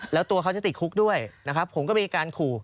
แล้วตัวเขาจะติดคุกด้วยนะครับผมก็มีการขู่